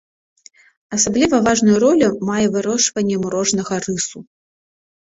Асабліва важную ролю мае вырошчванне мурожнага рысу.